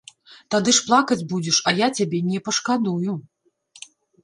Тады ж плакаць будзеш, а я цябе не пашкадую.